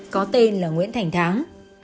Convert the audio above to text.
có tên là nguyễn thành thắng